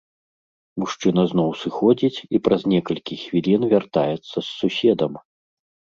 Мужчына зноў сыходзіць і праз некалькі хвілін вяртаецца з суседам.